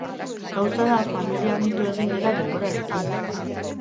Gauza da familia handitu egin dela denborarekin!